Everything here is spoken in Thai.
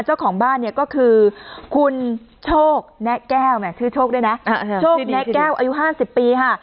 เจ้าของบ้านเนี่ยก็คือคุณโชคแนะแก้วชื่อโชคด้วยนะโชคแนะแก้วอายุ๕๐ปีค่ะ